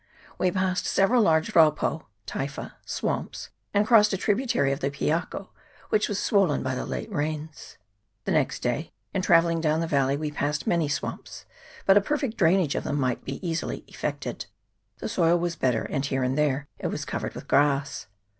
We passed several large raupo (typha) swamps, and crossed a tributary of the Piako, which was swollen by the late rains. The next day, in travelling down the valley, we passed many swamps, but a perfect drainage of them might be easily effected. The soil was better, and here and there it was covered with grass.